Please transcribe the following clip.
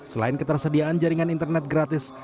selain ketersediaan jaringan internet gratis